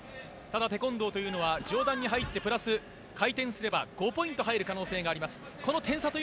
ただテコンドーというのは上段に入ってプラス回転すれば、５ポイント入る可能性があります。